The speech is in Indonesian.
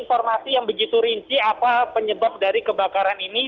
informasi yang begitu rinci apa penyebab dari kebakaran ini